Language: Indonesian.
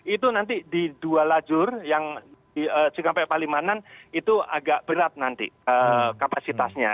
itu nanti di dua lajur yang di cikampek palimanan itu agak berat nanti kapasitasnya